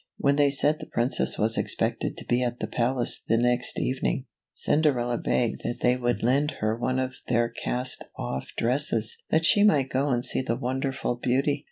When they said the Princess was expected to be at the palace the next evening, Cinderella begged that they would lend her one of their cast off dresses that she might go and see the wonderful beauty.